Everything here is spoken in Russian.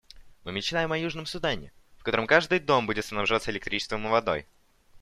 Мы мечтаем о Южном Судане, в котором каждый дом будет снабжаться электричеством и водой.